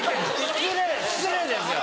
失礼失礼ですよ。